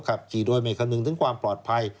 ครับกี่โดยแหมคำนึงทั้งความปลอดภัย